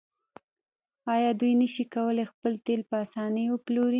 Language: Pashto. آیا دوی نشي کولی خپل تیل په اسانۍ وپلوري؟